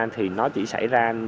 thì nó chỉ xảy ra